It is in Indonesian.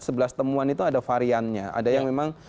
sebelas temuan itu ada variannya ada yang memang